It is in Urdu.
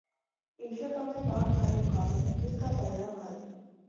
ایشیا کپ میں پاک بھارت مقابلوں میں کس کا پلڑا بھاری